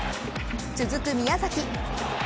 続く宮崎。